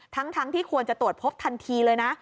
ทั้งที่ควรจะตรวจพบทันทีเลยนะ